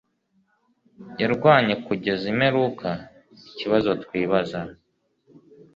Yarwanye kugeza imperuka ikibazo twibaza